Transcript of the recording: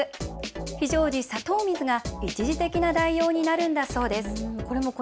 非常時、砂糖水が一時的な代用になるんだそうです。